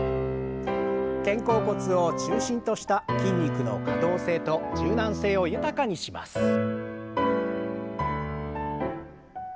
肩甲骨を中心とした筋肉の可動性と柔軟性を豊かにします。